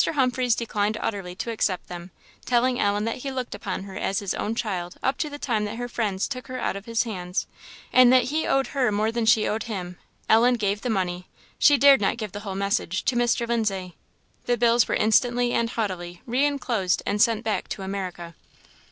Humphreys declined utterly to accept them, telling Ellen that he looked upon her as his own child up to the time that her friends took her out of his hands, and that he owed her more than she owed him. Ellen gave the money, she dared not give the whole message, to Mr. Lindsay. The bills were instantly and haughtily re enclosed and sent back to America.